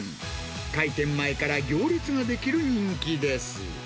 開店前から行列が出来る人気です。